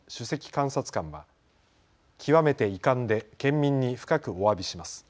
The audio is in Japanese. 監察官は極めて遺憾で県民に深くおわびします。